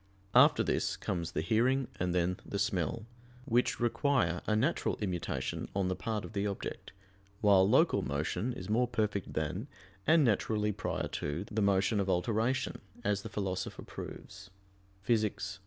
After this comes the hearing and then the smell, which require a natural immutation on the part of the object; while local motion is more perfect than, and naturally prior to, the motion of alteration, as the Philosopher proves (Phys.